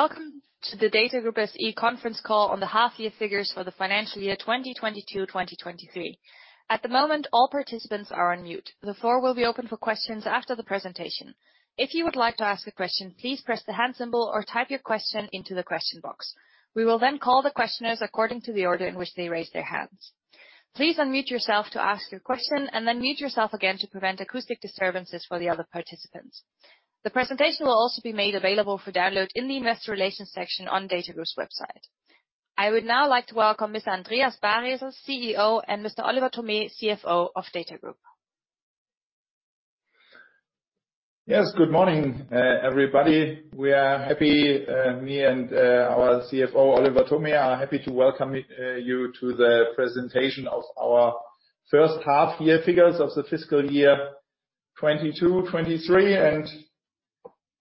Welcome to the DATAGROUP SE Conference Call on the H1 figures for the financial year 2022, 2023. At the moment, all participants are on mute. The floor will be open for questions after the presentation. If you would like to ask a question, please press the hand symbol or type your question into the question box. We will then call the questioners according to the order in which they raise their hands. Please unmute yourself to ask your question, and then mute yourself again to prevent acoustic disturbances for the other participants. The presentation will also be made available for download in the Investor Relations section on DATAGROUP's website. I would now like to welcome Mr. Andreas Baresel, CEO, and Mr. Oliver Thome, CFO of DATAGROUP. Yes, good morning, everybody. We are happy, me and our CFO, Oliver Thome, are happy to welcome you to the presentation of our H1-year figures of the fiscal year 2022, 2023,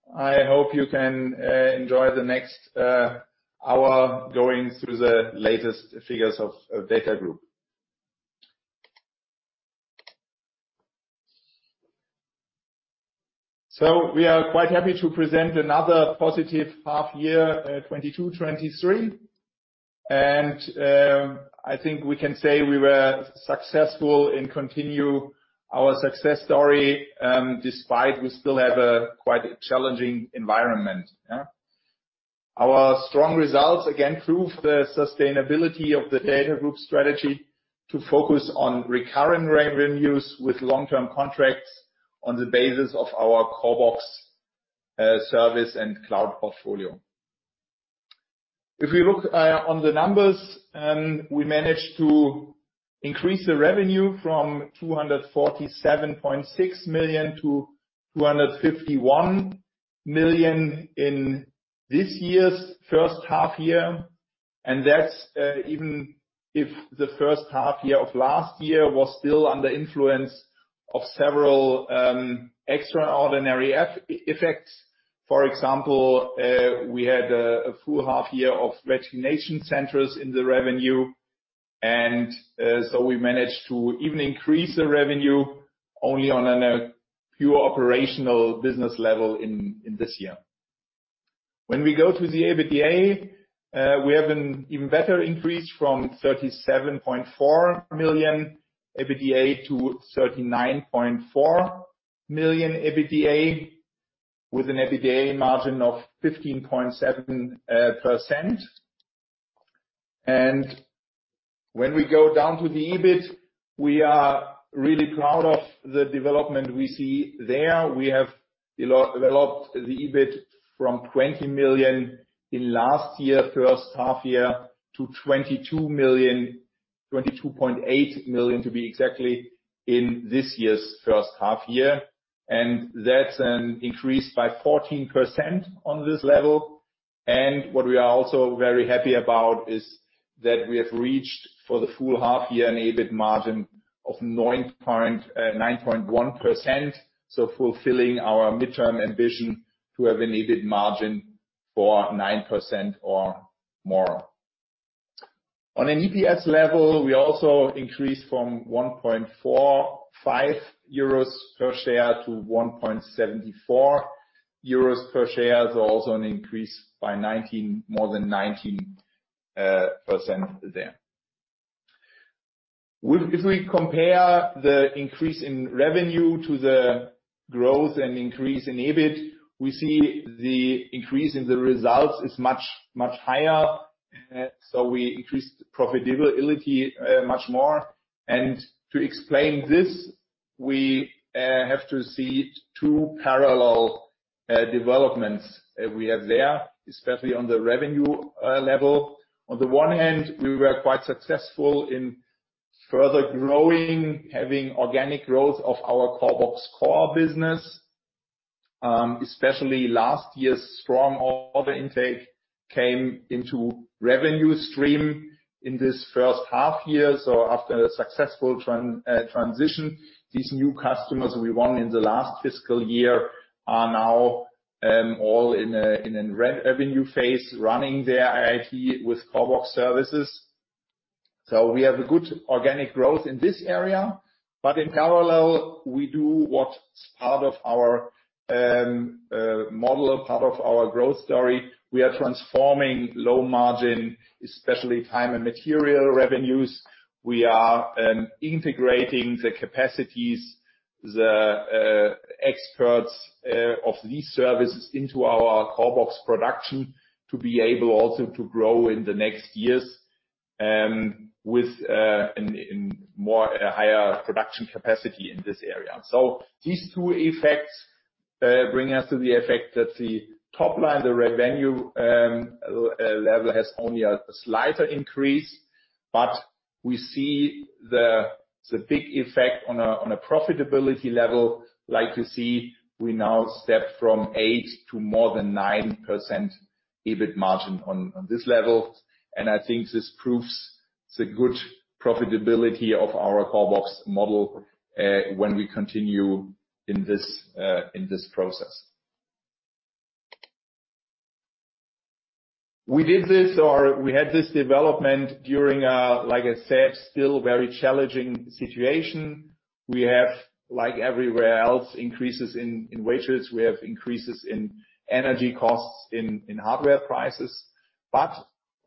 and I hope you can enjoy the next hour going through the latest figures of DATAGROUP. We are quite happy to present another positive H1-2022, 2023. And, I think we can say we were successful and continue our success story, despite we still have a quite challenging environment. Our strong results again prove the sustainability of the DATAGROUP strategy to focus on recurring revenues with long-term contracts on the basis of our CORBOX service and cloud portfolio. If we look on the numbers, we managed to increase the revenue from 247.6 million to 251 million in this year's first half year. That's even if the first half year of last year was still under influence of several extraordinary effects. For example, we had a full half year of retention centers in the revenue and we managed to even increase the revenue only on a pure operational business level in this year. When we go to the EBITDA, we have an even better increase from 37.4 million EBITDA to 39.4 million EBITDA with an EBITDA margin of 15.7%. When we go down to the EBIT, we are really proud of the development we see there. We have developed the EBIT from 20 million in last year first half year to 22 million, 22.8 million to be exactly in this year's first half year. That's an increase by 14% on this level. What we are also very happy about is that we have reached for the full half year an EBIT margin of 9.1%, so fulfilling our midterm ambition to have an EBIT margin for 9% or more. On an EPS level, we also increased from 1.45 euros per share to 1.74 euros per share. Also an increase by 19, more than 19% there. If we compare the increase in revenue to the growth and increase in EBIT, we see the increase in the results is much, much higher. We increased profitability much more. To explain this, we have to see two parallel developments we have there, especially on the revenue level. On the one hand, we were quite successful in further growing, having organic growth of our CORBOX core business. Especially last year's strong order intake came into revenue stream in this first half year. After a successful transition, these new customers we won in the last fiscal year are now all in a re-revenue phase, running their IT with CORBOX services. We have a good organic growth in this area. In parallel, we do what's part of our model, part of our growth story. We are transforming low margin, especially time and material revenues. We are integrating the capacities, the experts, of these services into our CORBOX production to be able also to grow in the next years with in in more higher production capacity in this area. These two effects bring us to the effect that the top line, the revenue, level has only a slighter increase, but we see the big effect on a profitability level. Like you see, we now step from 8 to more than 9% EBIT margin on this level. I think this proves the good profitability of our CORBOX model when we continue in this in this process. We did this or we had this development during, like I said, still very challenging situation. We have, like everywhere else, increases in wages, we have increases in energy costs, in hardware prices.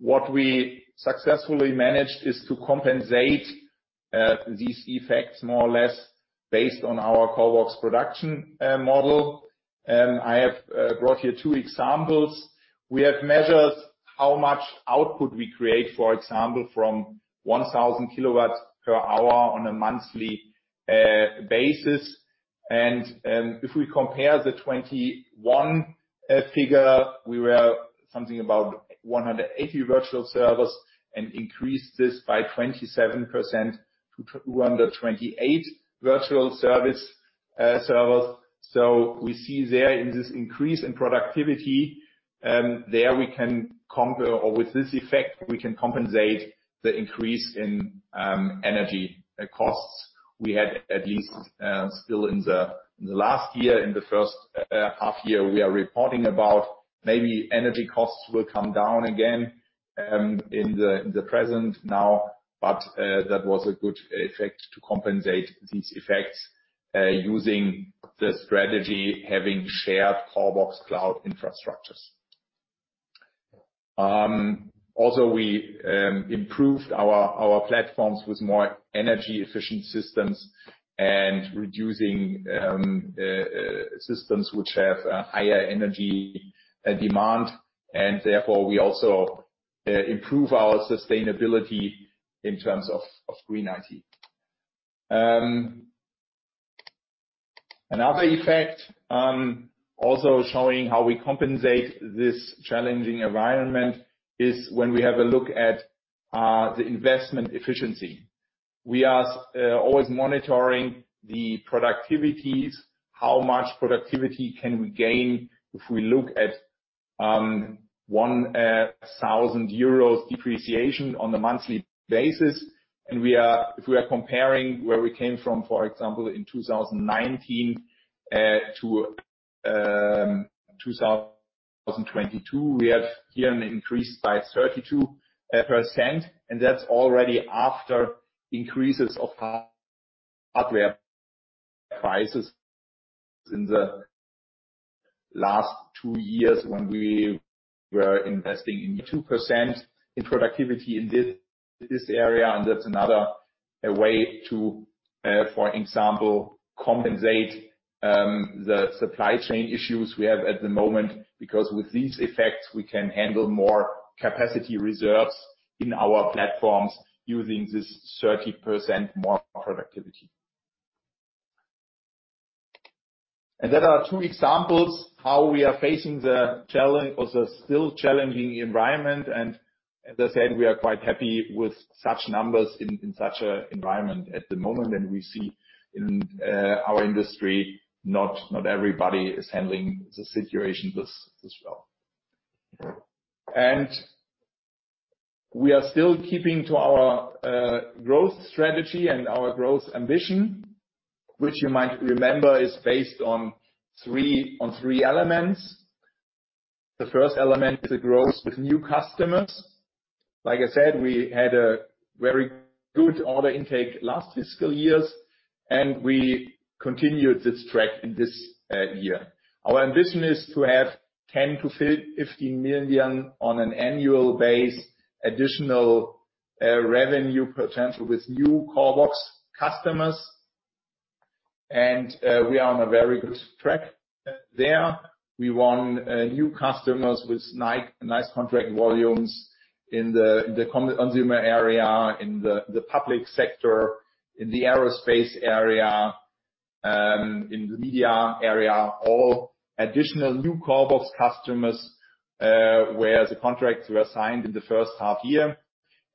What we successfully managed is to compensate these effects more or less based on our CORBOX production model. I have brought here two examples. We have measured how much output we create, for example, from 1,000 kilowatts per hour on a monthly basis. If we compare the 21 figure, we were something about 180 virtual servers and increased this by 27% to 228 virtual servers. We see there in this increase in productivity, there we can conquer or with this effect, we can compensate the increase in energy costs. We had at least still in the last year, in the first half year we are reporting about maybe energy costs will come down again in the present now. That was a good effect to compensate these effects using the strategy, having shared CORBOX cloud infrastructures. We improved our platforms with more energy efficient systems and reducing systems which have higher energy demand, and therefore we also improve our sustainability in terms of green IT. Another effect also showing how we compensate this challenging environment is when we have a look at the investment efficiency. We are always monitoring the productivities, how much productivity can we gain if we look at 1,000 euros depreciation on a monthly basis. If we are comparing where we came from, for example, in 2019 to 2022, we have here an increase by 32%. That's already after increases of hardware prices in the last two years when we were investing in 2% in productivity in this area. That's another way to, for example, compensate the supply chain issues we have at the moment, because with these effects, we can handle more capacity reserves in our platforms using this 30% more productivity. There are two examples how we are facing the challenge or the still challenging environment. As I said, we are quite happy with such numbers in such an environment at the moment. We see in our industry, not everybody is handling the situation this well. We are still keeping to our growth strategy and our growth ambition, which you might remember is based on three elements. The first element is the growth with new customers. Like I said, we had a very good order intake last fiscal years, and we continued this track in this year. Our ambition is to have 10 million-15 million on an annual base, additional revenue potential with new CORBOX customers. We are on a very good track there. We won new customers with nice contract volumes in the consumer area, in the public sector, in the aerospace area, in the media area, all additional new CORBOX customers, where the contracts were signed in the first half year.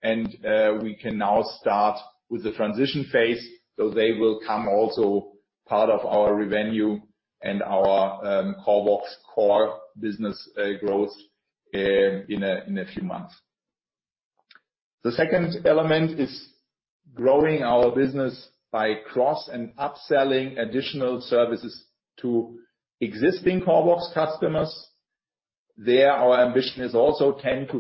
We can now start with the transition phase, they will come also part of our revenue and our CORBOX core business growth in a few months. The second element is growing our business by cross and upselling additional services to existing CORBOX customers. There, our ambition is also 10-15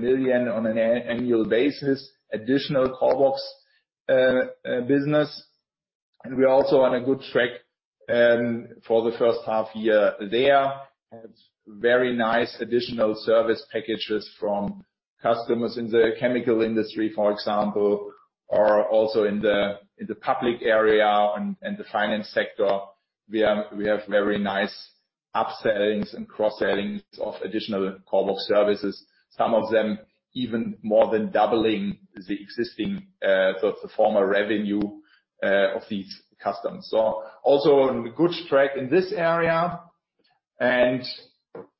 million on an annual basis, additional CORBOX business. We are also on a good track for the first half year there. Had very nice additional service packages from customers in the chemical industry, for example, or also in the public area and the finance sector. We have very nice up-sellings and cross-sellings of additional CORBOX services, some of them even more than doubling the existing the former revenue of these customers. Also on a good track in this area.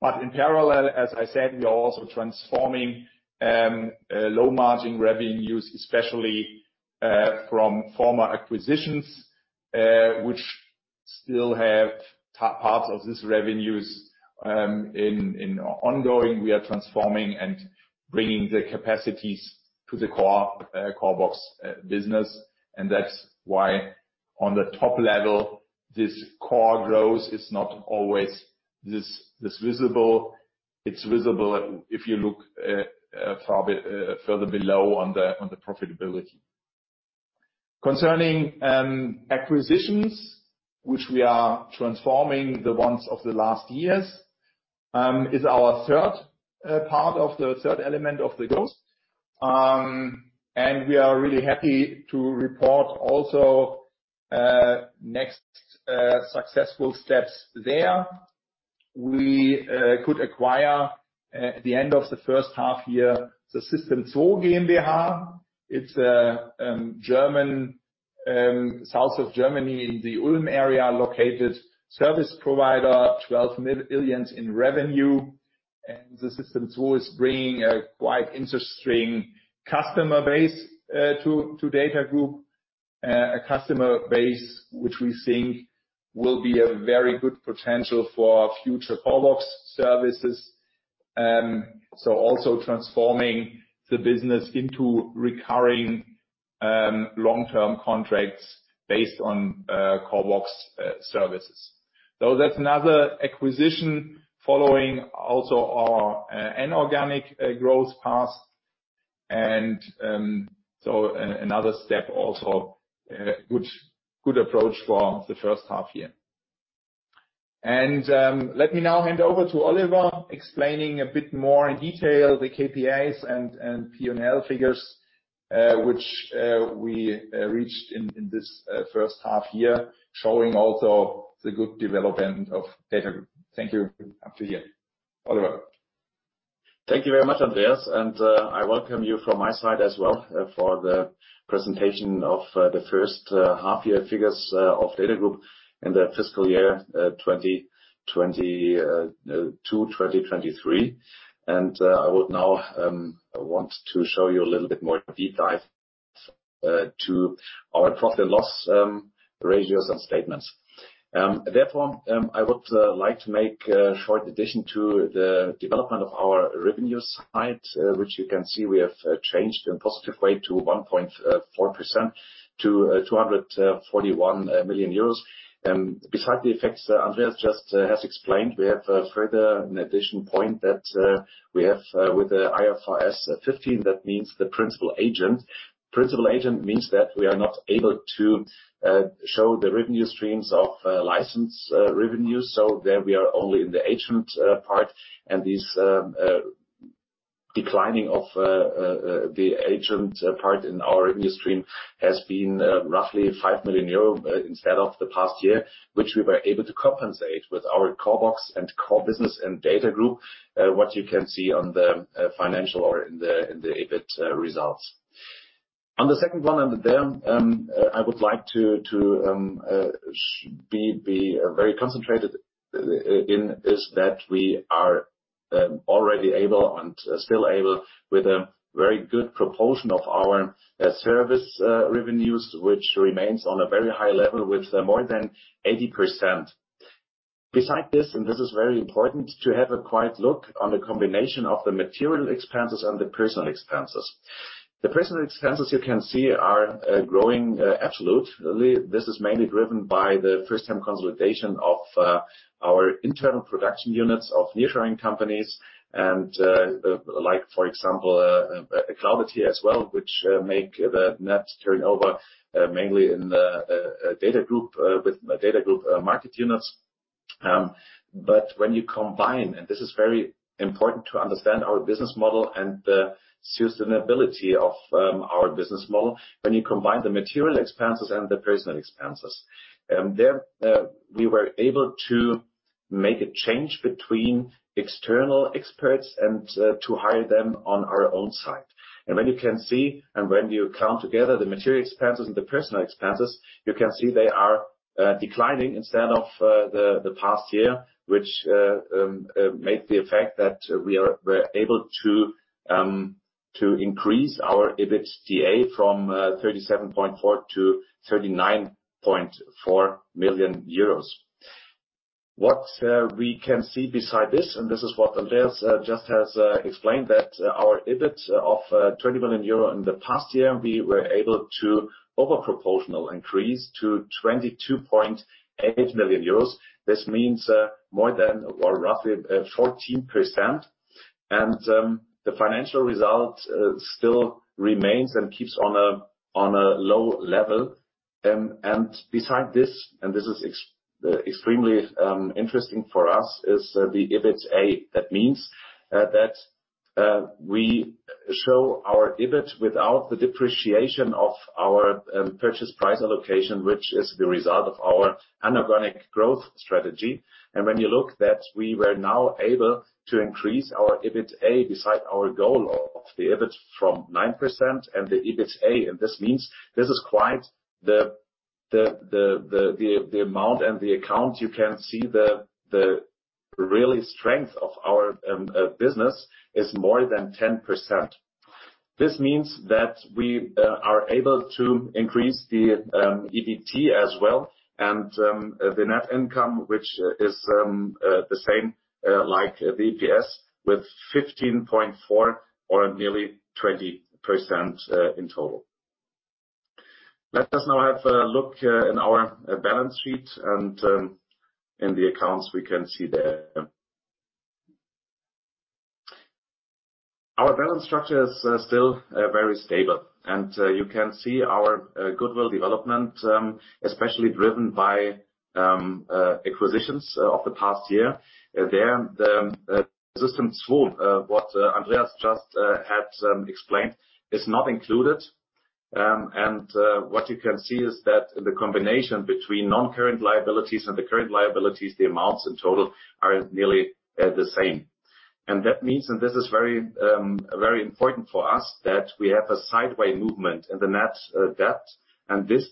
But in parallel, as I said, we are also transforming low margin revenues, especially from former acquisitions, which still have parts of these revenues in ongoing. We are transforming and bringing the capacities to the CORBOX business. That's why on the top level this core growth is not always this visible. It's visible if you look further below on the profitability. Concerning acquisitions, which we are transforming the ones of the last years, is our third part of the third element of the growth. And we are really happy to report also next successful steps there. We could acquire at the end of the first half year, the systemzwo GmbH. It's a German, south of Germany, in the Ulm area located service provider, 12 million in revenue. The systemzwo is bringing a quite interesting customer base to DATAGROUP. A customer base which we think will be a very good potential for future CORBOX services. Also transforming the business into recurring, long-term contracts based on CORBOX services. That's another acquisition following also our an organic growth path. Another step also, which good approach for the first half year. Let me now hand over to Oliver, explaining a bit more in detail the KPIs and P&L figures which we reached in this first half year, showing also the good development of DATAGROUP. Thank you up to here. Oliver. Thank you very much, Andreas. I welcome you from my side as well for the presentation of the first half year figures of DATAGROUP in the fiscal year 2022, 2023. I would now want to show you a little bit more detail to our profit loss ratios and statements. Therefore, I would like to make a short addition to the development of our revenue side, which you can see we have changed in positive way to 1.4% to 241 million euros. Beside the effects Andreas just has explained, we have further an addition point that we have with the IFRS 15, that means the principal agent. Principal agent means that we are not able to show the revenue streams of license revenue, there we are only in the agent part. This declining of the agent part in our revenue stream has been roughly 5 million euro instead of the past year, which we were able to compensate with our CORBOX and core business and DATAGROUP, what you can see on the financial or in the EBIT results. On the second one under there, I would like to be very concentrated in is that we are already able and still able with a very good proportion of our service revenues, which remains on a very high level with more than 80%. Beside this is very important to have a quiet look on the combination of the material expenses and the personal expenses. The personal expenses you can see are growing absolutely. This is mainly driven by the first time consolidation of our internal production units of nearshoring companies and like for example, Cloud IT as well, which make the net turnover mainly in the DATAGROUP with DATAGROUP market units. When you combine, and this is very important to understand our business model and the sustainability of our business model, when you combine the material expenses and the personal expenses, there we were able to make a change between external experts and to hire them on our own side. When you can see, when you count together the material expenses and the personal expenses, you can see they are declining instead of the past year, which made the effect that we're able to increase our EBITDA from 37.4 million to 39.4 million euros. What we can see beside this, and this is what Andreas just has explained, that our EBIT of 20 million euro in the past year, we were able to over proportional increase to 22.8 million euros. This means more than or roughly 14%. The financial result still remains and keeps on a low level. Beside this, and this is extremely interesting for us, is the EBITA. That means that we show our EBIT without the depreciation of our purchase price allocation, which is the result of our anorganic growth strategy. When you look that we were now able to increase our EBITA beside our goal of the EBIT from 9% and the EBITA, and this means this is quite the amount and the account you can see the really strength of our business is more than 10%. This means that we are able to increase the EBT as well, and the net income, which is the same like the EPS with 15.4% or nearly 20% in total. Let us now have a look in our balance sheet and in the accounts we can see there. Our balance structure is still very stable. You can see our goodwill development, especially driven by acquisitions of the past year. There, the systemzwo, what Andreas just had explained, is not included. What you can see is that the combination between non-current liabilities and the current liabilities, the amounts in total are nearly the same. That means, and this is very, very important for us, that we have a sideway movement in the net debt. This.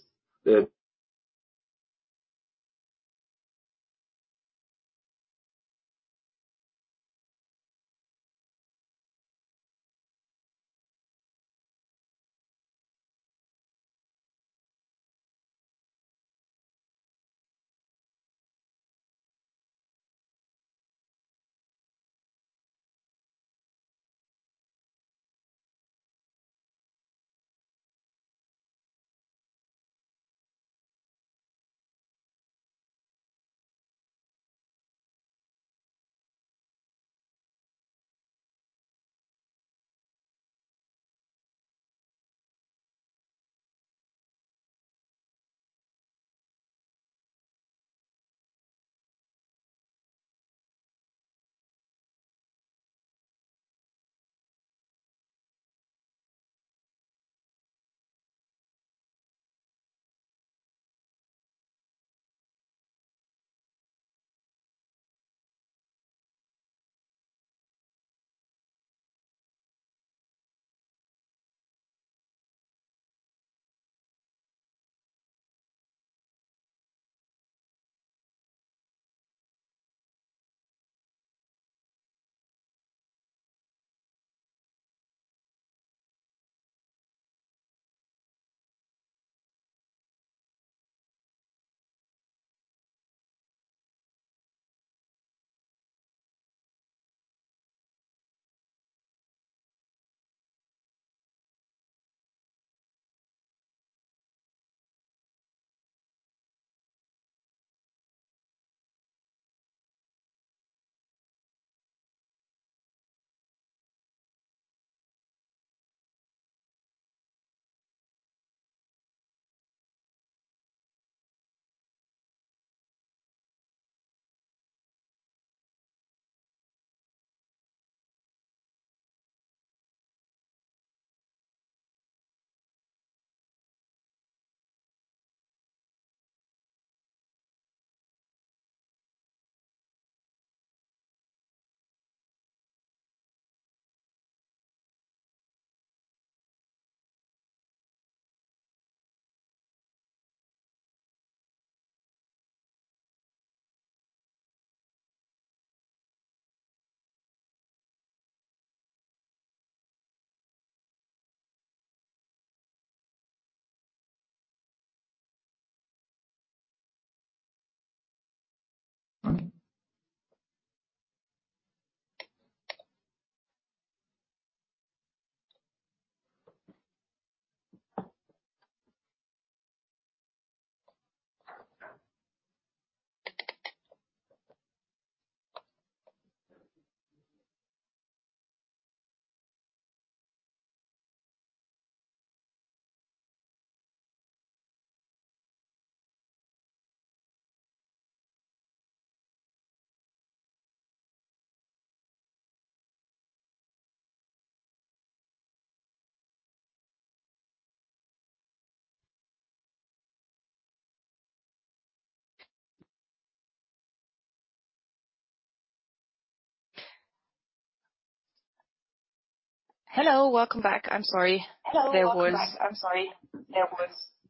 Hello, welcome back. I'm sorry. Welcome back. I'm sorry.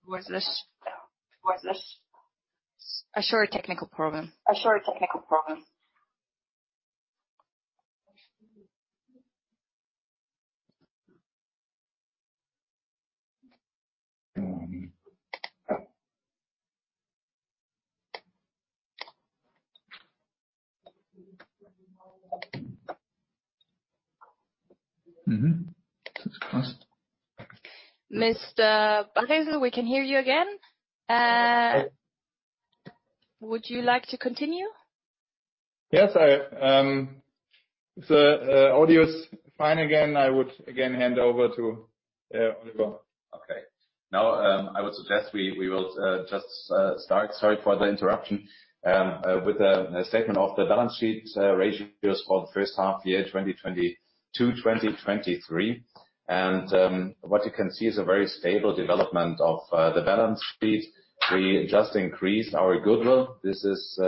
Was this- Was this- I'm sure a technical problem. I'm sure a technical problem. Mm-hmm. Mr. Baresel, we can hear you again. Would you like to continue? Yes, I, the audio is fine again. I would again hand over to Oliver. Okay. Now, I would suggest we will just start. Sorry for the interruption, with the statement of the balance sheet ratios for the first half year, 2022, 2023. What you can see is a very stable development of the balance sheet. We just increased our goodwill. This is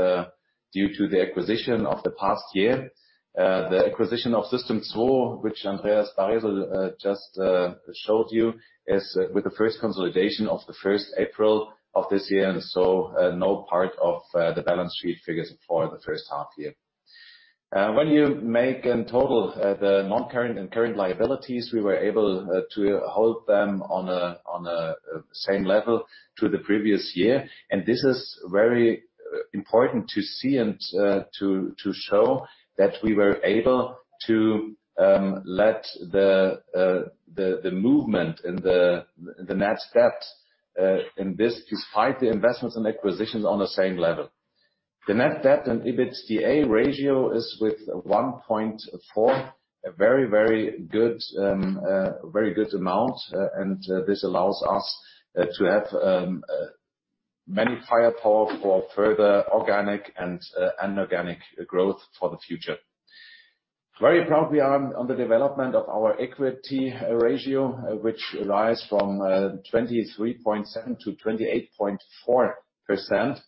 due to the acquisition of the past year. The acquisition of systemzwo, which Andreas Baresel just showed you is with the first consolidation of the 1st April of this year, no part of the balance sheet figures for the first half year. When you make in total the non-current and current liabilities, we were able to hold them on a same level to the previous year. And this is very, important to see and, to, to show that we were able to, let the, the, the movement and the, the net debt in this, despite the investments and acquisitions on the same level. The net debt and EBITDA ratio is with one point four, a very, very good, very good amount. and this allows us, to have many firepower for further organic and, inorganic growth for the future. Very proud we are on the development of our equity ratio, uh, which rise from, uh, twenty-three point seven to twenty-eight point four percent.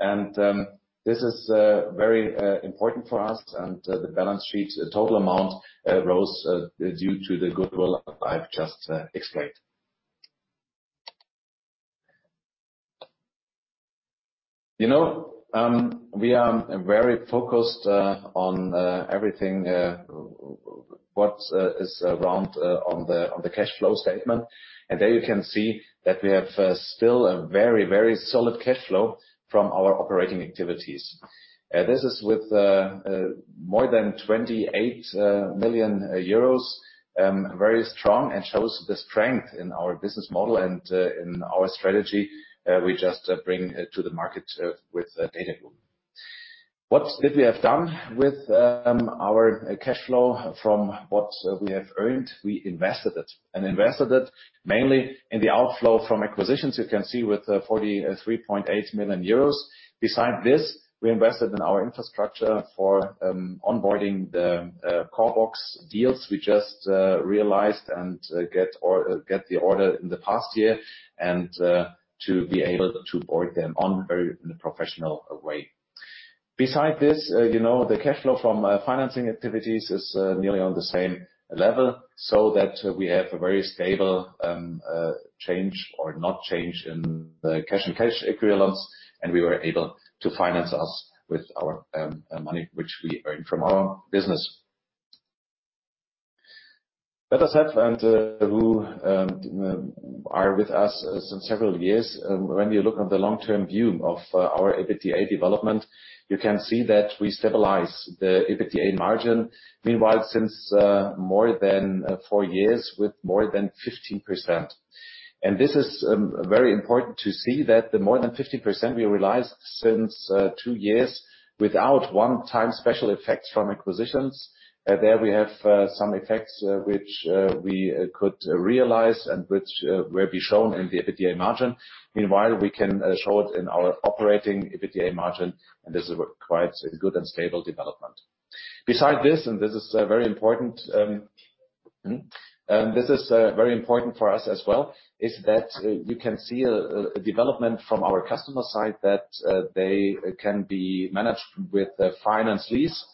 And, this is, very, important for us and, the balance sheet total amount, rose, due to the goodwill I've just, explained. You know, we are very focused on everything what's is around on the, on the cash flow statement. There you can see that we have still a very, very solid cash flow from our operating activities. This is with more than 28 million euros very strong and shows the strength in our business model and in our strategy we just bring to the market with DATAGROUP. What did we have done with our cash flow from what we have earned? We invested it, and invested it mainly in the outflow from acquisitions, you can see with 43.8 million euros. Beside this, we invested in our infrastructure for onboarding the CORBOX deals we just realized and get the order in the past year and to be able to board them on very in a professional way. Beside this, you know, the cash flow from financing activities is nearly on the same level, so that we have a very stable change or not change in the cash and cash equivalents, and we were able to finance us with our money, which we earned from our business. Let us have and who are with us since several years, when you look on the long-term view of our EBITDA development, you can see that we stabilize the EBITDA margin. Meanwhile, since more than four years with more than 15%. This is very important to see that the more than 15% we realized since two years without one time special effects from acquisitions. There we have some effects which we could realize and which will be shown in the EBITDA margin. Meanwhile, we can show it in our operating EBITDA margin, and this is a quite good and stable development. Beside this is very important, this is very important for us as well, is that you can see a development from our customer side that they can be managed with a finance lease.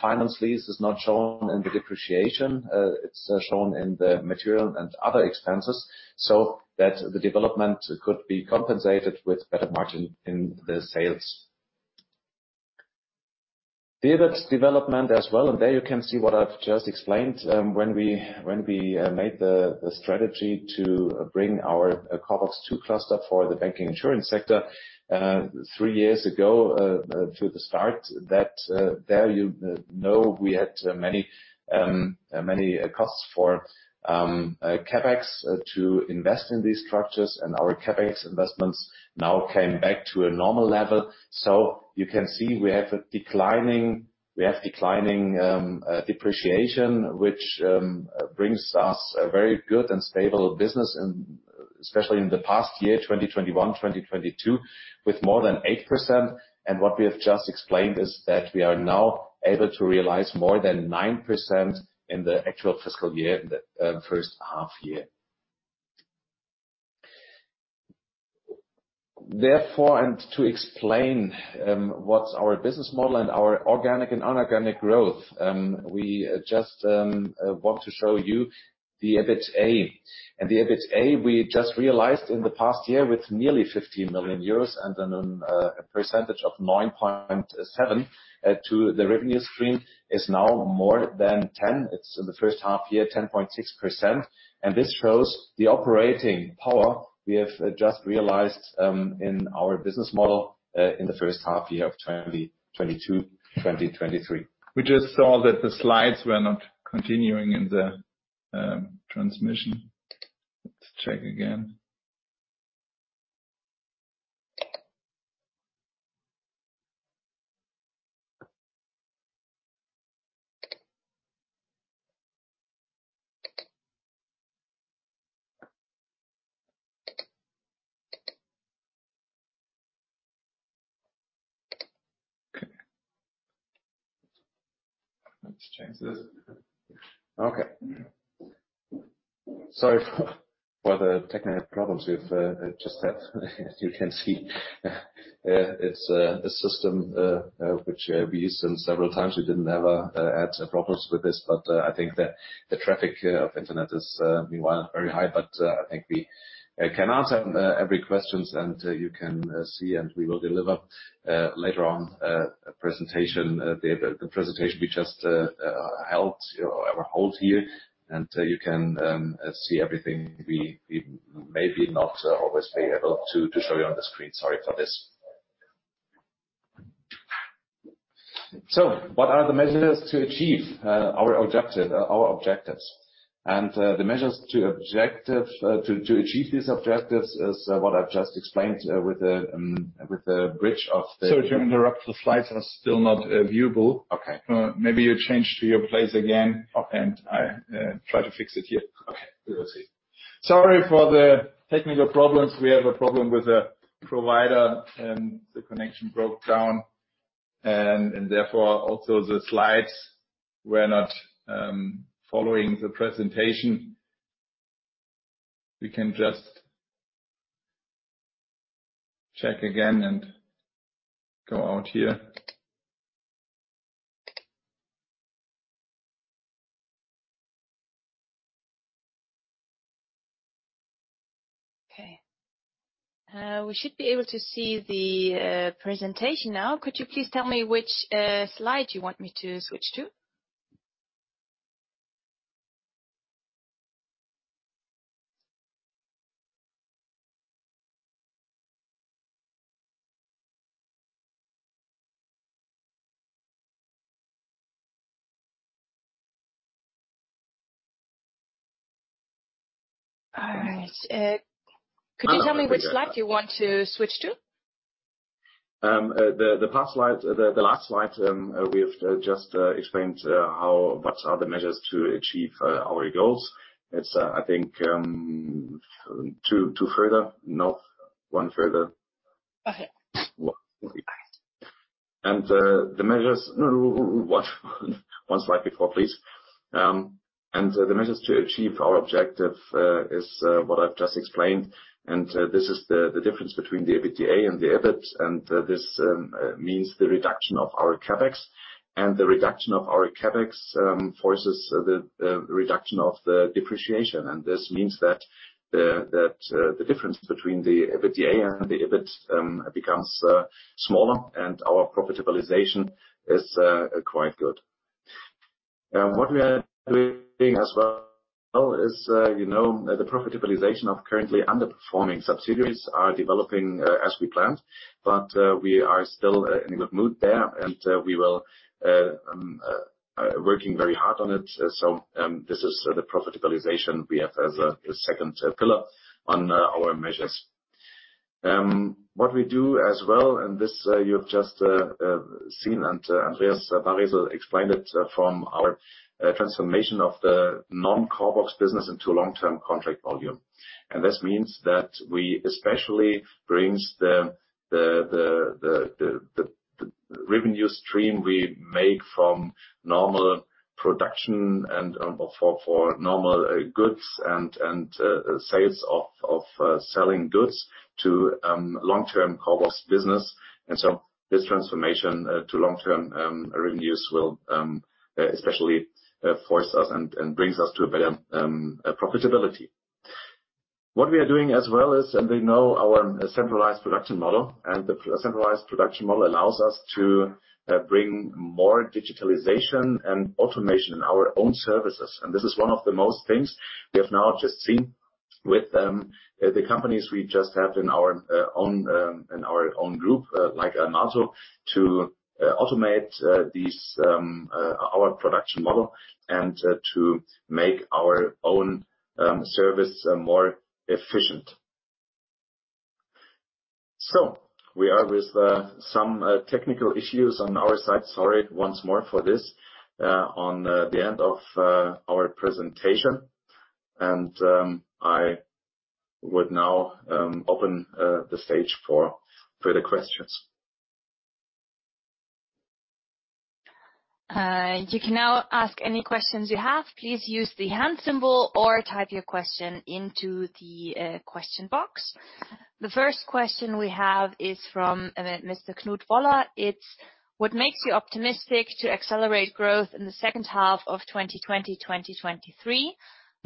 Finance lease is not shown in the depreciation, it's shown in the material and other expenses, so that the development could be compensated with better margin in the sales. The other development as well, there you can see what I've just explained, when we made the strategy to bring our CORBOX to cluster for the banking insurance sector, three years ago, to the start that there you know we had many costs for CapEx to invest in these structures and our CapEx investments now came back to a normal level. You can see we have declining depreciation, which brings us a very good and stable business in, especially in the past year, 2021, 2022, with more than 8%. What we have just explained is that we are now able to realize more than 9% in the actual fiscal year, the first half year. Therefore, to explain what's our business model and our organic and inorganic growth, we just want to show you the EBITA. The EBITA we just realized in the past year with nearly 15 million euros and then a percentage of 9.7 to the revenue stream is now more than 10. It's in the first half year, 10.6%. This shows the operating power we have just realized in our business model in the first half year of 2022, 2023. We just saw that the slides were not continuing in the transmission. Let's check again. Let's change this. Okay. Sorry for the technical problems we've just had. As you can see, it's the system which we use in several times, we didn't ever had problems with this. I think the traffic of internet is meanwhile very high. I think we can answer every questions and you can see and we will deliver later on a presentation. The presentation we just held or hold here, and you can see everything. We maybe not always be able to show you on the screen. Sorry for this. What are the measures to achieve our objective, our objectives? The measures to objective to achieve these objectives is what I've just explained with the with the bridge of. Sorry to interrupt. The slides are still not viewable. Okay. maybe you change to your place again. Okay. I try to fix it here. Okay. We will see. Sorry for the technical problems. We have a problem with the provider, and the connection broke down, and therefore, also the slides were not following the presentation. We can just check again and go out here. Okay. We should be able to see the presentation now. Could you please tell me which slide you want me to switch to? All right. Could you tell me which slide you want to switch to? The last slide, we have to just explained what are the measures to achieve our goals. It's, I think, two further. No, one further. Okay. The measures... One slide before, please. The measures to achieve our objective is what I've just explained, and this is the difference between the EBITDA and the EBIT. This means the reduction of our CapEx. The reduction of our CapEx forces the reduction of the depreciation. This means that the difference between the EBITDA and the EBIT becomes smaller and our profitabilization is quite good. What we are doing as well is, you know, the profitabilization of currently underperforming subsidiaries are developing as we planned, we are still in a good mood there, we will working very hard on it. This is the profitabilization we have as a second pillar on our measures. What we do as well, and this you have just seen, and Andreas Baresel explained it from our transformation of the non-CORBOX business into long-term contract volume. This means that we especially brings the revenue stream we make from normal production and for normal goods and sales of selling goods to long-term CORBOX business. This transformation to long-term revenues will especially force us and brings us to a better profitability. What we are doing as well is, we know our centralized production model, the centralized production model allows us to bring more digitalization and automation in our own services. This is one of the most things we have now just seen with the companies we just have in our own group, like Almato, to automate these our production model and to make our own service more efficient. We are with some technical issues on our side. Sorry once more for this on the end of our presentation. I would now open the stage for further questions. You can now ask any questions you have. Please use the hand symbol or type your question into the question box. The first question we have is from Mr. Knut Woller. It's what makes you optimistic to accelerate growth in the second half of 2020, 2023?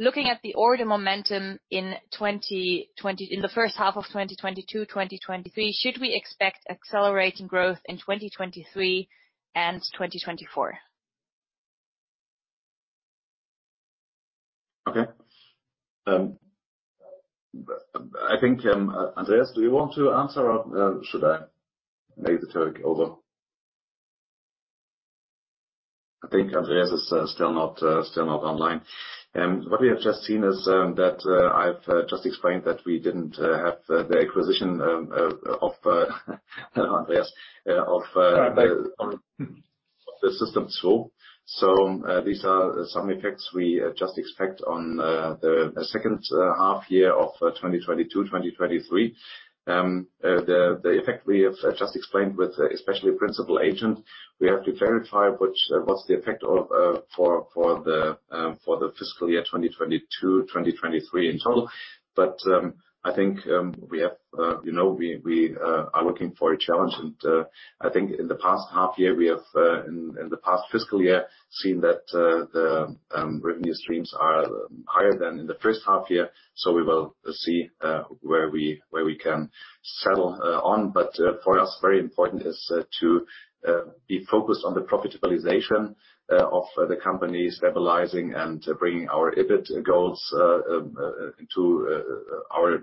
Looking at the order momentum in 2020. In the first half of 2022, 2023, should we expect accelerating growth in 2023 and 2024? Okay. I think, Andreas, do you want to answer or should I take the turn over? I think Andreas is still not online. What we have just seen is that I've just explained that we didn't have the acquisition of Andreas of the systemzwo. These are some effects we just expect on the H2 year of 2022, 2023. The effect we have just explained with especially principal agent, we have to verify which what's the effect for the fiscal year, 2022, 2023 in total. I think, you know, we are looking for a challenge and I think in the past half year we have in the past fiscal year seen that the revenue streams are higher than in the first half year. We will see where we can settle on. For us, very important is to be focused on the profitability of the companies, stabilizing and bringing our EBIT goals into our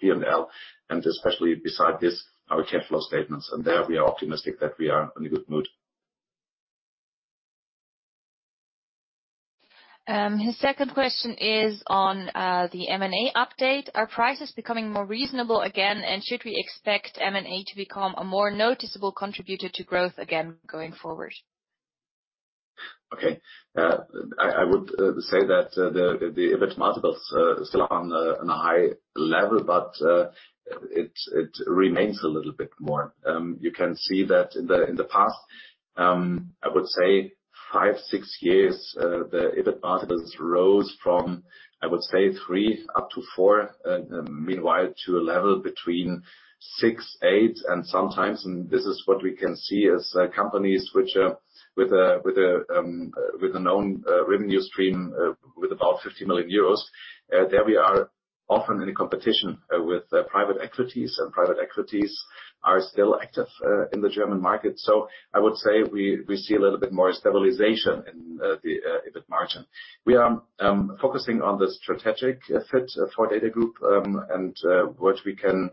P&L, and especially beside this, our cash flow statements. There, we are optimistic that we are in a good mood. His second question is on the M&A update. Are prices becoming more reasonable again? Should we expect M&A to become a more noticeable contributor to growth again going forward? Okay. I would say that the EBIT multiples are still on a high level, but it remains a little bit more. You can see that in the past, I would say five, six years, the EBIT multiples rose from, I would say three up to four, meanwhile to a level between six, eight and sometimes, and this is what we can see as companies which are with a known revenue stream, with about 50 million euros. There we are often in a competition with private equities, and private equities are still active in the German market. I would say we see a little bit more stabilization in the EBIT margin. We are focusing on the strategic fit for DATAGROUP, and what we can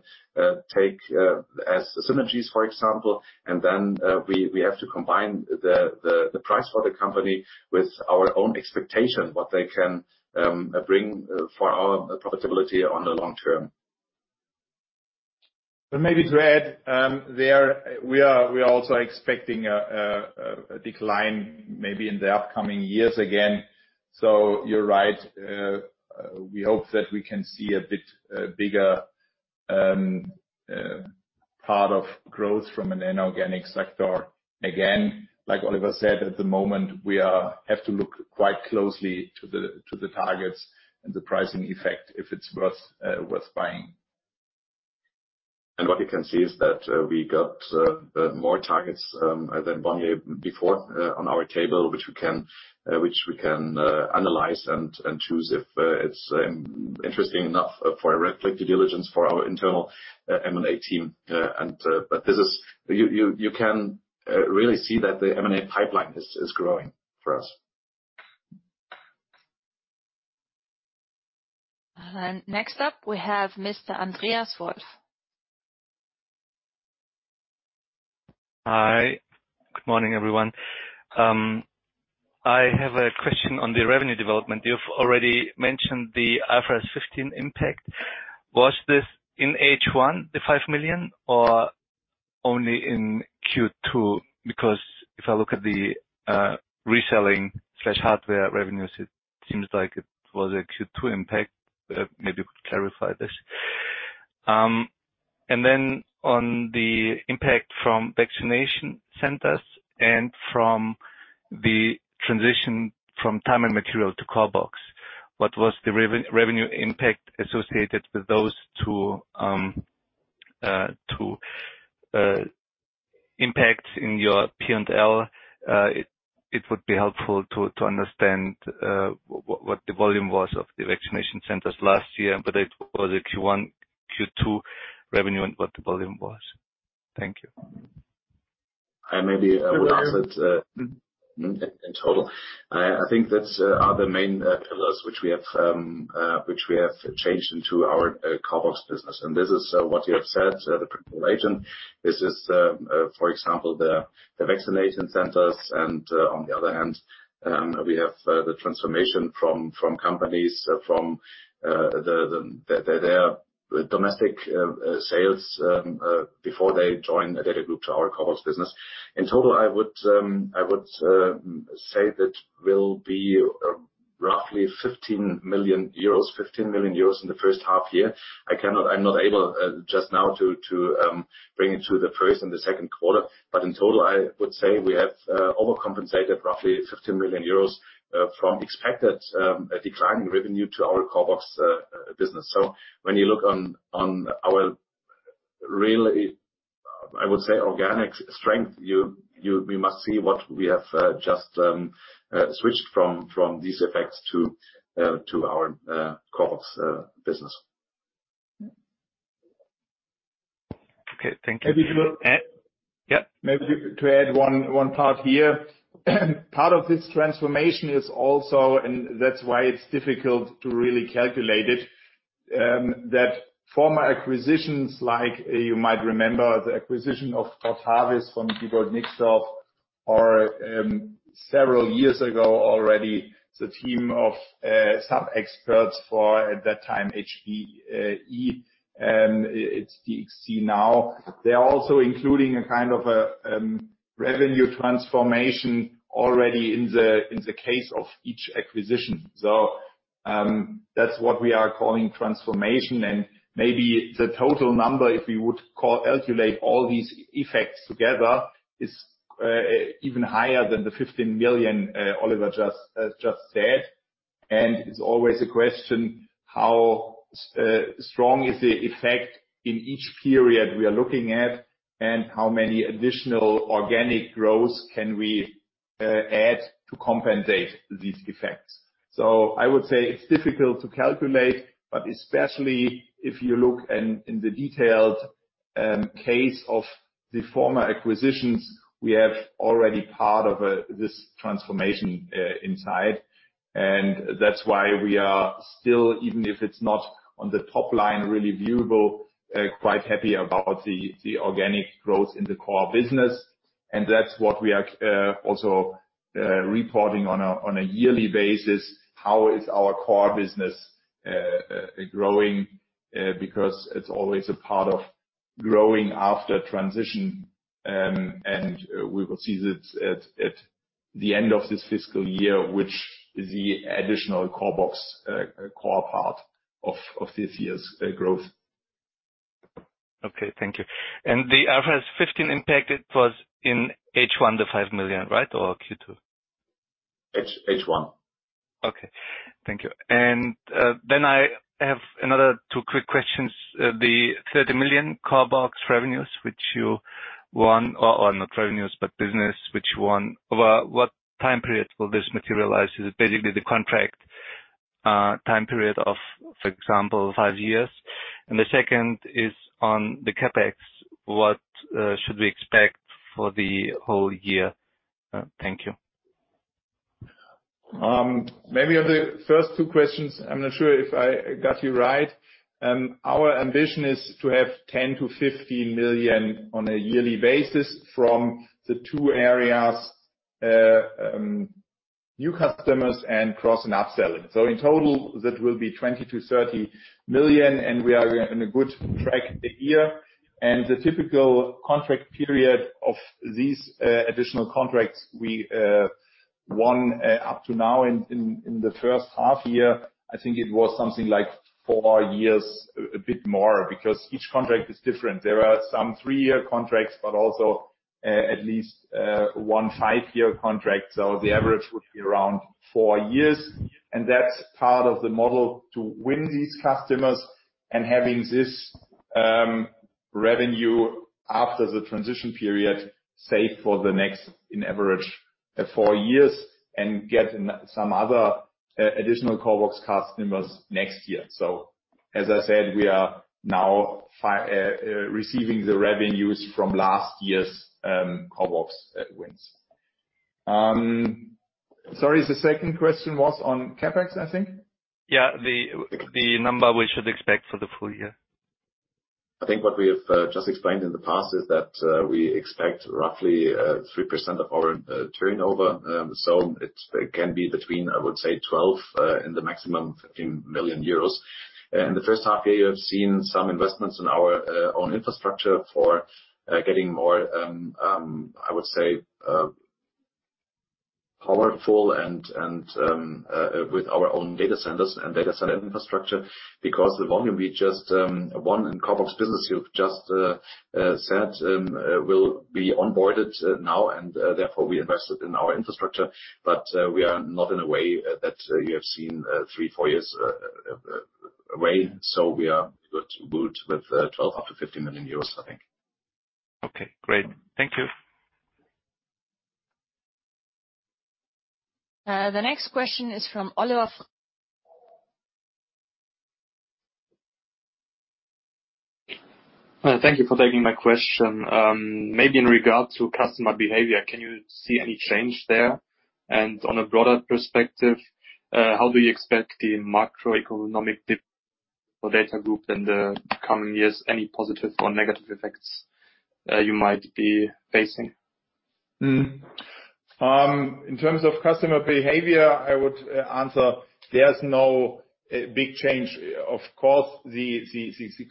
take as synergies, for example. Then, we have to combine the price for the company with our own expectation, what they can bring for our profitability on the long term. Maybe to add, there we are, we are also expecting a decline maybe in the upcoming years again. You're right. We hope that we can see a bit bigger part of growth from an inorganic sector. Like Oliver said, at the moment, we have to look quite closely to the, to the targets and the pricing effect, if it's worth worth buying. What you can see is that, we got more targets than one year before on our table, which we can analyze and choose if it's interesting enough for a red flag due diligence for our internal M&A team. You can really see that the M&A pipeline is growing for us. Next up we have Mr. Andreas Wolf. Hi. Good morning, everyone. I have a question on the revenue development. You've already mentioned the IFRS 15 impact. Was this in H1, the 5 million or only in Q2? If I look at the reselling/hardware revenues, it seems like it was a Q2 impact. Maybe you could clarify this. On the impact from vaccination centers and from the transition from time and material to CORBOX, what was the revenue impact associated with those two impacts in your P&L? It would be helpful to understand what the volume was of the vaccination centers last year, whether it was a Q1, Q2 revenue, and what the volume was. Thank you. I maybe will answer it in total. I think that's are the main pillars which we have which we have changed into our CORBOX business. This is what you have said, the principal agent. This is, for example, the vaccination centers. On the other hand, we have the transformation from companies from their domestic sales before they join a DATAGROUP to our CORBOX business. In total, I would say that will be roughly 15 million euros in the first half year. I'm not able just now to bring it to the first and the second quarter. In total, I would say we have overcompensated roughly 15 million euros from expected declining revenue to our CORBOX business. When you look on our really, I would say, organic strength, we must see what we have just switched from these effects to our CORBOX business. Okay, thank you. Maybe to add. Yep. Maybe to add one part here. Part of this transformation is also, and that's why it's difficult to really calculate it, that former acquisitions like you might remember the acquisition of Harvest from Maybe I would answer it in total. I think that's the main pillars which we have changed into our CORBOX business. This is what you have said, the principal agent. This is, for example, the vaccination centers. On the other hand, we have the transformation from companies from their domestic sales before they join a DATAGROUP to our CORBOX business. In total, I would say that will be roughly EUR 15 million in the first half year. I'm not able just now to bring it to the first and the Q2. In total, I would say we have overcompensated roughly EUR 15 million from expected declining revenue to our CORBOX business. When you look on our really, I would say, organic strength, we must see what we have just switched from these effects to our CORBOX business. Okay, thank you. Maybe to. Yep. Maybe to add one part here. Part of this transformation is also, and that's why it's difficult to really calculate it, that former acquisitions like you might remember the acquisition of Harvest from That's what we are also reporting on a yearly basis, how is our core business growing, because it's always a part of growing after transition. We will see it at the end of this fiscal year, which is the additional CORBOX core part of this year's growth. Okay, thank you. The IFRS 15 impact, it was in H1, the 5 million, right? Or Q2? H1. Okay, thank you. I have another two quick questions. The 30 million CORBOX revenues which you won, or not revenues, but business which you won. Over what time period will this materialize? Is it basically the contract time period of, for example, five years? The second is on the CapEx. What should we expect for the whole year? Thank you. Maybe on the first two questions, I'm not sure if I got you right. Our ambition is to have 10 million-15 million on a yearly basis from the two areas, new customers and cross and upselling. In total, that will be 20 million-30 million, and we are in a good track the year. The typical contract period of these additional contracts we won up to now in the first half year, I think it was something like four years, a bit more, because each contract is different. There are some three-year contracts, but also at least one five-year contract. The average would be around four- years. That's part of the model to win these customers and having this revenue after the transition period safe for the next, in average four years, and get some other additional CORBOX customers next year. As I said, we are now receiving the revenues from last year's CORBOX wins. Sorry, the second question was on CapEx, I think. Yeah, the number we should expect for the full year. I think what we have just explained in the past is that, we expect roughly, 3% of our turnover. It can be between, I would say, 12 million and the maximum 15 million euros. In the first half year, you have seen some investments in our own infrastructure for getting more, I would say, powerful and, with our own data centers and data center infrastructure, because the volume we just, won in CORBOX business, you've just, said, will be onboarded now, and therefore we invested in our infrastructure. We are not in a way that you have seen, three, four years away. We are good with 12 million up to 15 million euros, I think. Okay, great. Thank you. The next question is from Woller. Thank you for taking my question. Maybe in regard to customer behavior, can you see any change there? On a broader perspective, how do you expect the macroeconomic dip for DATAGROUP in the coming years, any positive or negative effects, you might be facing? In terms of customer behavior, I would answer there's no big change. Of course, the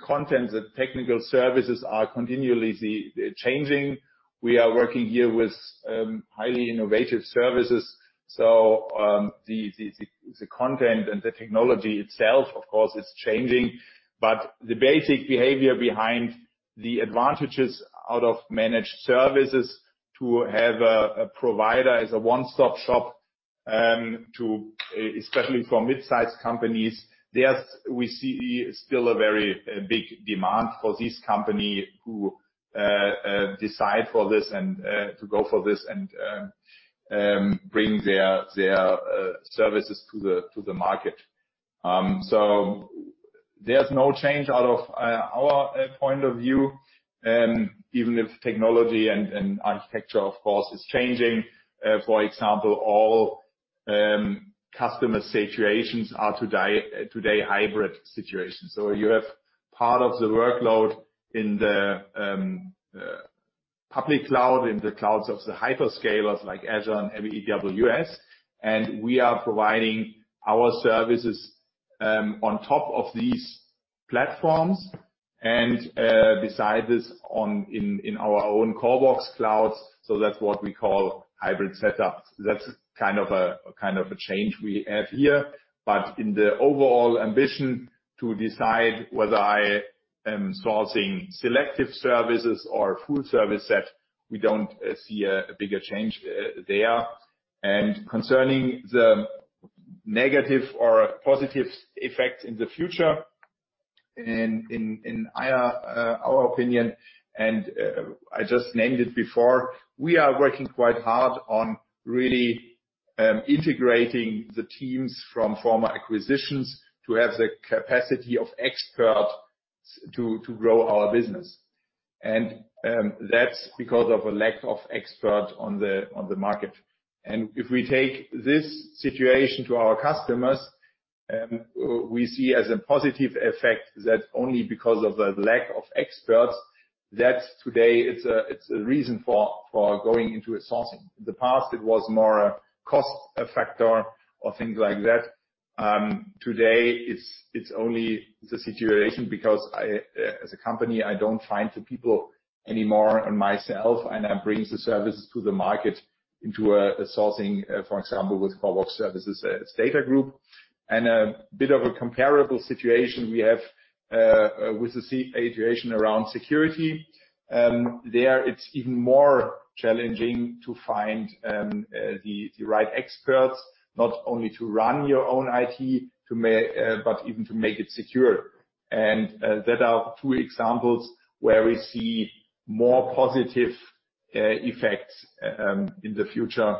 content, the technical services are continually changing. We are working here with highly innovative services. The content and the technology itself, of course, it's changing. The basic behavior behind the advantages out of managed services to have a provider as a one-stop shop, especially for mid-sized companies, we see still a very big demand for this company who decide for this and to go for this and bring their services to the market. There's no change out of our point of view. Even if technology and architecture, of course, is changing. For example, all customer situations are today hybrid situations. You have part of the workload in the public cloud, in the clouds of the hyper-scalers like Azure and AWS, and we are providing our services on top of these platforms, and beside this in our own CORBOX clouds, so that's what we call hybrid setup. That's kind of a change we have here. In the overall ambition to decide whether I am sourcing selective services or full service set, we don't see a bigger change there. Concerning the negative or positive effect in the future, in our opinion, and I just named it before, we are working quite hard on really integrating the teams from former acquisitions to have the capacity of experts to grow our business. That's because of a lack of experts on the market. If we take this situation to our customers, we see as a positive effect that only because of the lack of experts, today it's a reason for going into outsourcing. In the past, it was more a cost factor or things like that. Today, it's only the situation because I, as a company, I don't find the people anymore in myself, and I bring the services to the market into outsourcing, for example, with CORBOX services, as DATAGROUP. A bit of a comparable situation we have with the situation around security. There it's even more challenging to find the right experts, not only to run your own IT, but even to make it secure. There are two examples where we see more positive effects in the future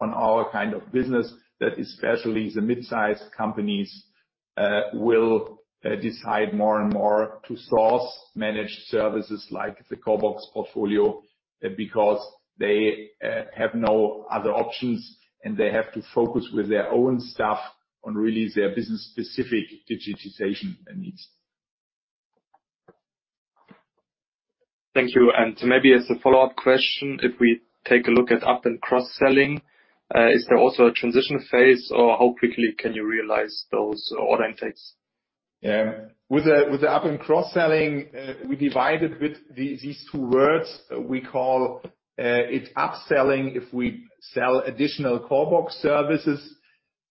on our kind of business that especially the mid-sized companies will decide more and more to source managed services like the CORBOX portfolio because they have no other options, and they have to focus with their own staff on really their business-specific digitization needs. Thank you. Maybe as a follow-up question, if we take a look at up and cross-selling, is there also a transition phase, or how quickly can you realize those order intakes? With the up and cross-selling, we divide it with these two words. We call it up-selling if we sell additional CORBOX services.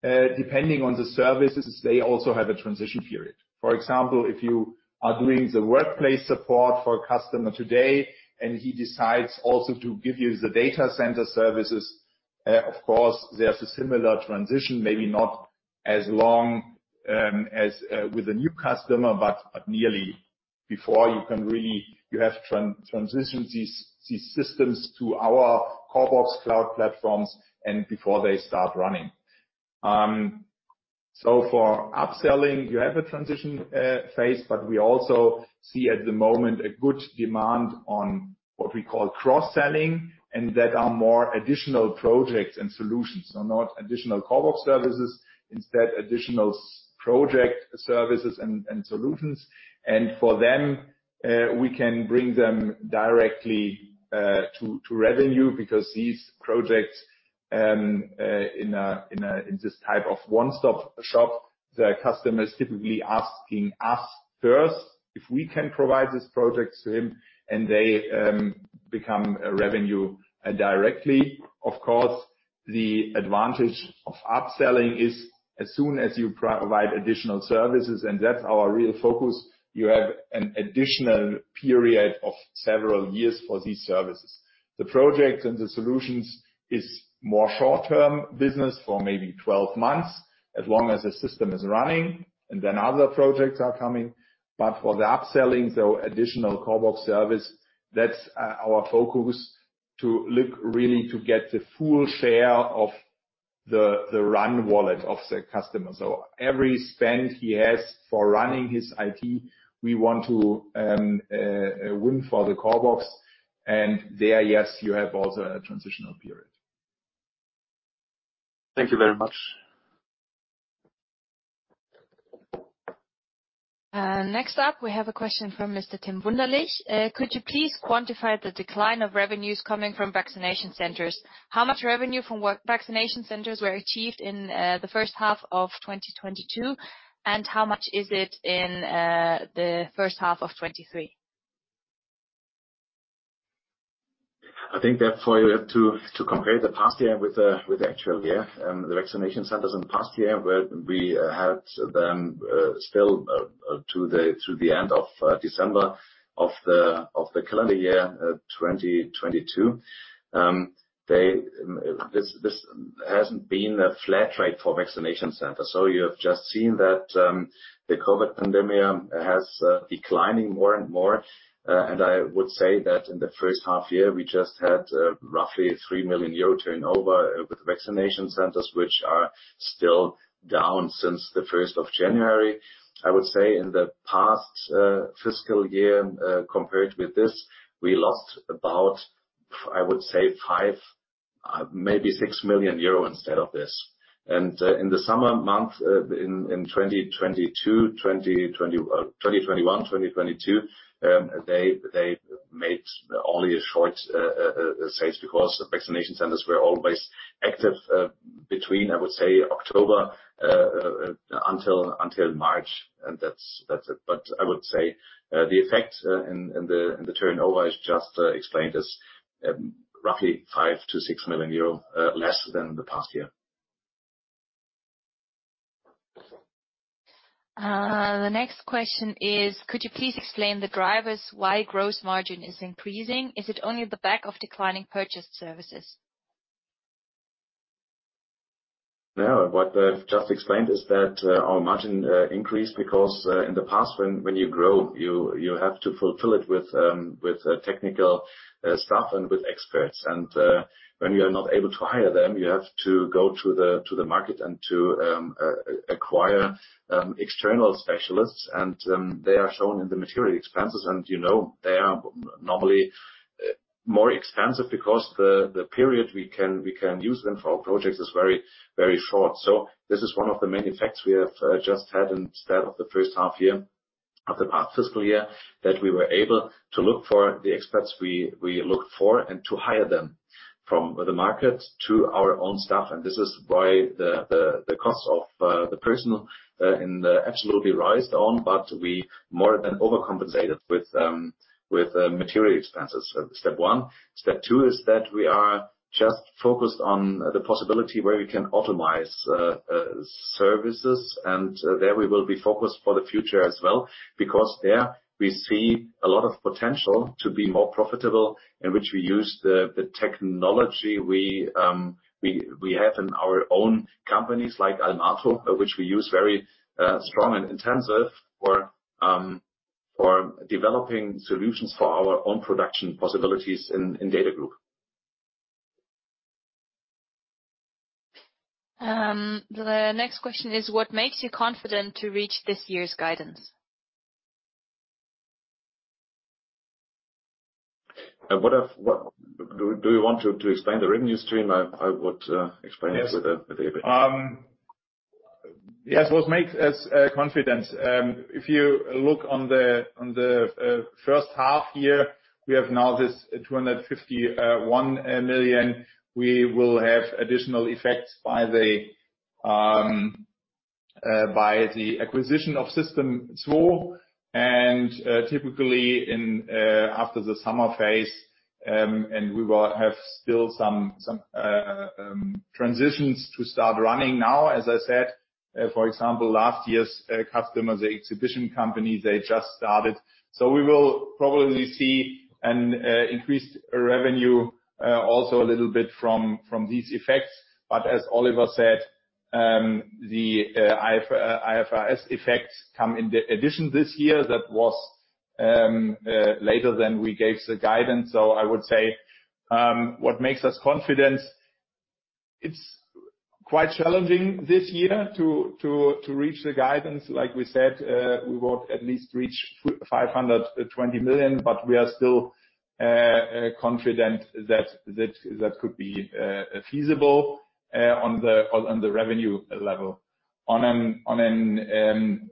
Depending on the services, they also have a transition period. For example, if you are doing the workplace support for a customer today, and he decides also to give you the data center services, of course, there's a similar transition, maybe not as long as with a new customer, but nearly before you can really you have transition these systems to our CORBOX Cloud platforms and before they start running. For up-selling, you have a transition phase, but we also see at the moment a good demand on what we call cross-selling, and that are more additional projects and solutions. Not additional CORBOX services, instead additional project services and solutions. For them, we can bring them directly to revenue because these projects in this type of one-stop shop, the customer is typically asking us first if we can provide these projects to him, and they become a revenue directly. Of course, the advantage of upselling is as soon as you provide additional services, and that's our real focus, you have an additional period of several years for these services. The projects and the solutions is more short-term business for maybe 12 months, as long as the system is running, and then other projects are coming. For the upselling, so additional CORBOX service, that's our focus to look really to get the full share of the run wallet of the customer. Every spend he has for running his IT, we want to win for the CORBOX. There, yes, you have also a transitional period. Thank you very much. Next up, we have a question from Mr. Tim Wunderlich. Could you please quantify the decline of revenues coming from vaccination centers? How much revenue from vaccination centers were achieved in the first half of 2022, and how much is it in the first half of 2023? I think, therefore, you have to compare the past year with the actual year. The vaccination centers in the past year where we had them still through the end of December of the calendar year 2022. They haven't been a flat rate for vaccination centers. You have just seen that the COVID pandemic has declining more and more. I would say that in the H1 year, we just had roughly 3 million euro turnover with vaccination centers, which are still down since the 1st of January. I would say in the past fiscal year, compared with this, we lost about 5 million-6 million euro instead of this. In the summer month, in 2022, 2021, 2022, they made only short sales because vaccination centers were always active between, I would say October until March, and that's it. I would say the effect in the turnover is just explained as roughly 5 million-6 million euro less than the past year. The next question is, could you please explain the drivers why gross margin is increasing? Is it only the back of declining purchase services? No. What I've just explained is that our margin increased because in the past, when you grow, you have to fulfill it with technical staff and with experts. When you are not able to hire them, you have to go to the market and to acquire external specialists. They are shown in the material expenses. You know, they are normally. More expensive because the period we can use them for our projects is very short. This is one of the main effects we have just had instead of the first half year of the past fiscal year, that we were able to look for the experts we look for and to hire them from the market to our own staff. This is why the cost of the personal in the absolutely raised on, but we more than overcompensated with material expenses. Step one. Step two is that we are just focused on the possibility where we can optimize services. There we will be focused for the future as well. There we see a lot of potential to be more profitable in which we use the technology we have in our own companies like Almato, which we use very strong and intensive for developing solutions for our own production possibilities in DATAGROUP. The next question is: What makes you confident to reach this year's guidance? What do you want to explain the revenue stream? I would explain it with a bit. Yes. What makes us confident? If you look on the first half year, we have now this 251 million. We will have additional effects by the acquisition of systemzwo. Typically in after the summer phase, and we will have still some transitions to start running now, as I said. For example, last year's customers, the exhibition company, they just started. We will probably see an increased revenue, also a little bit from these effects. As Oliver said, the IFRS effects come in the addition this year that was later than we gave the guidance. I would say, what makes us confident, it's quite challenging this year to reach the guidance. Like we said, we would at least reach 520 million. We are still confident that could be feasible on the revenue level. On an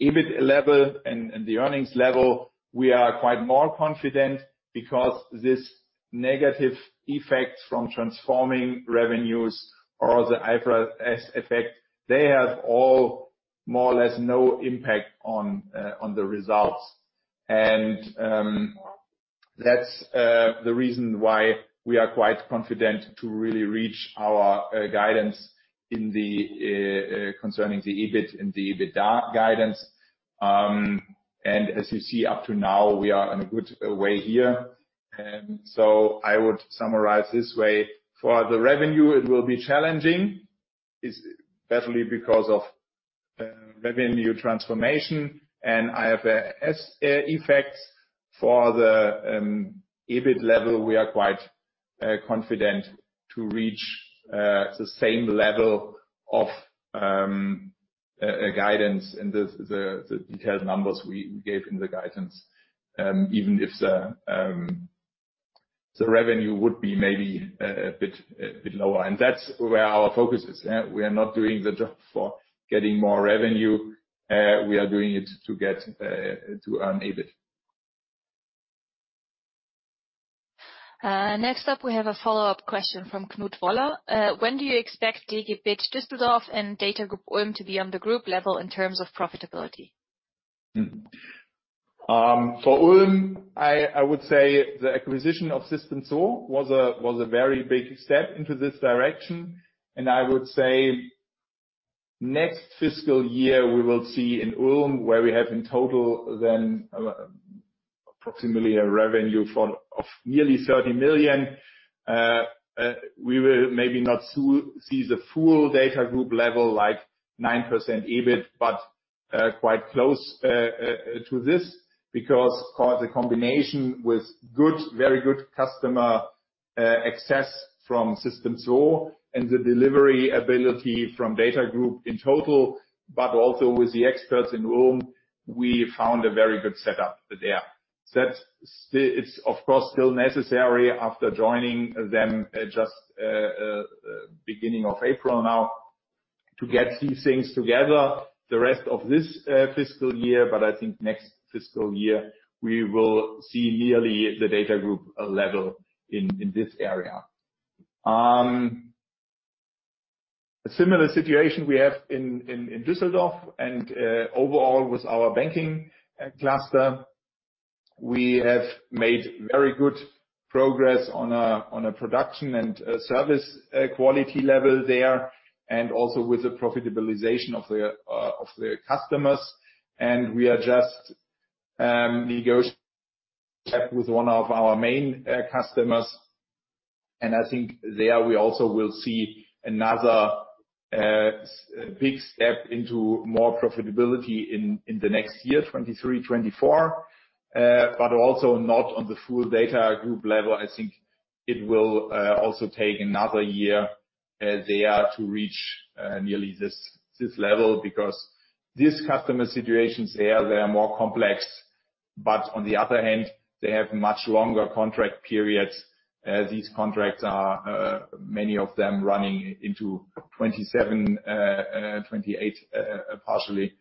EBIT level and the earnings level, we are quite more confident because this negative effects from transforming revenues or the IFRS effect, they have all more or less no impact on the results. That's the reason why we are quite confident to really reach our guidance concerning the EBIT and the EBITDA guidance. As you see up to now, we are in a good way here. I would summarize this way. For the revenue, it will be challenging, especially because of revenue transformation and IFRS effects. For the EBIT level, we are quite confident to reach the same level of guidance and the detailed numbers we gave in the guidance, even if the revenue would be maybe a bit lower. That's where our focus is. We are not doing the job for getting more revenue. We are doing it to get to earn EBIT. Next up, we have a follow-up question from Knut Woller. When do you expect DGBit Düsseldorf and DATAGROUP Ulm to be on the group level in terms of profitability? For Ulm, I would say the acquisition of Systemzwo was a very big step into this direction. I would say next fiscal year, we will see in Ulm, where we have in total then approximately a revenue of nearly 30 million. We will maybe not see the full DATAGROUP level, like 9% EBIT, but quite close to this because of course, the combination with good, very good customer access from System 2 and the delivery ability from DATAGROUP in total, but also with the experts in Ulm, we found a very good setup there. It's of course, still necessary after joining them just beginning of April now to get these things together the rest of this fiscal year. I think next fiscal year we will see nearly the DATAGROUP level in this area. A similar situation we have in Düsseldorf and overall with our banking cluster. We have made very good progress on a production and service quality level there and also with the profitabilization of the customers. We are just negoti- with one of our main customers, and I think there we also will see another big step into more profitability in the next year, 2023, 2024. Also not on the full DATAGROUP level. I think it will also take another year as they are to reach nearly this level, because these customer situations, they are more complex, but on the other hand, they have much longer contract periods. These contracts are many of them running into 2027, 2028, partially.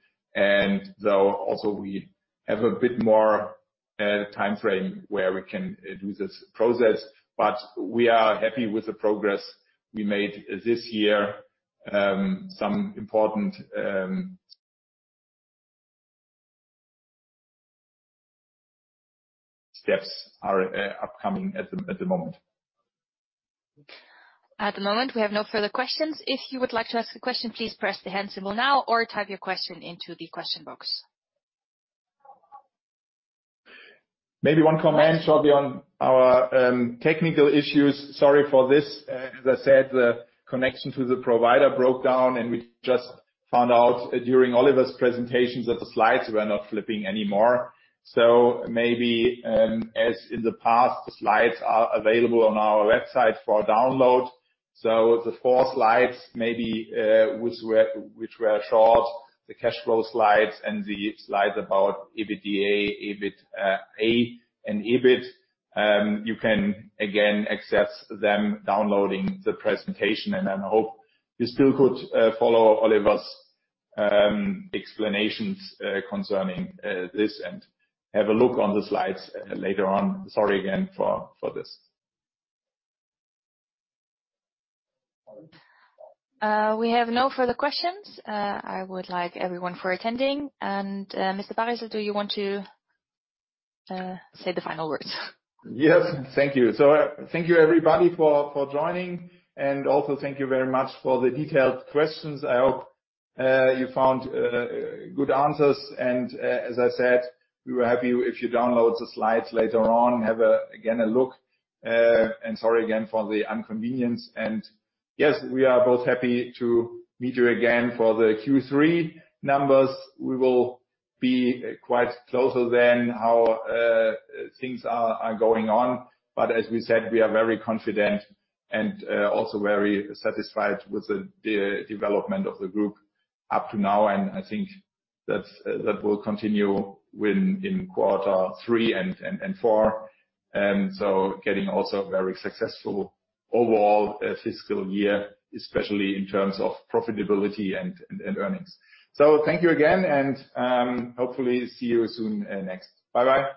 Also we have a bit more timeframe where we can do this process. We are happy with the progress we made this year. Some important steps are upcoming at the moment. At the moment, we have no further questions. If you would like to ask a question, please press the hand symbol now or type your question into the question box. Maybe one comment shortly on our technical issues. Sorry for this. As I said, the connection to the provider broke down, and we just found out during Oliver's presentations that the slides were not flipping anymore. Maybe, as in the past, the slides are available on our website for download. The four slides, maybe, which were short, the cash flow slides and the slides about EBITDA, EBITA and EBIT, you can again access them downloading the presentation. I hope you still could follow Oliver's explanations concerning this and have a look on the slides later on. Sorry again for this. We have no further questions. I would like everyone for attending. Mr. Baresel, do you want to say the final words? Yes. Thank you. Thank you everybody for joining, and also thank you very much for the detailed questions. I hope you found good answers and, as I said, if you download the slides later on, have again a look. Sorry again for the inconvenience. Yes, we are both happy to meet you again for the Q3 numbers. We will be quite closer then how things are going on. As we said, we are very confident and also very satisfied with the development of the group up to now. I think that will continue win in Q3 and Q4. Getting also very successful overall fiscal year, especially in terms of profitability and earnings. Thank you again and hopefully see you soon next. Bye-bye.